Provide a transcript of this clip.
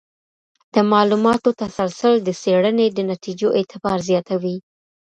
د معلوماتو تسلسل د څېړنې د نتیجو اعتبار زیاتوي.